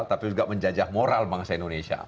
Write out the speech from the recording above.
tapi juga menjajah moral bangsa indonesia